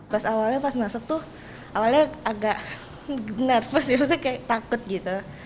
pada awalnya pas masuk tuh awalnya agak nervous terus kayak takut gitu